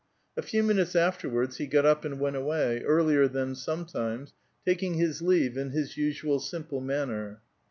A few minutes aftei'wards he got up and went away, ear lier than some times, taking his leave in his usual simple manner.